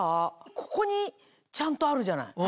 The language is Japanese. ここにちゃんとあるじゃない。